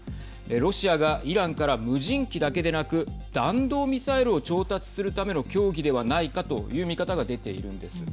ロシアがイランから無人機だけでなく弾道ミサイルを調達するための協議ではないかという見方が出ているんです。